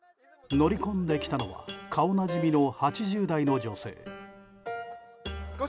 乗り込んできたのは顔なじみの８０代の女性。